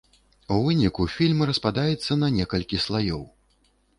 У выніку фільм распадаецца не некалькі слаёў.